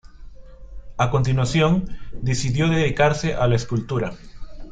A continuación, decidió dedicarse a la escultura.